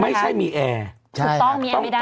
ไม่ใช่มีแอร์ใช่ครับฮะถูกต้องแน่ไปได้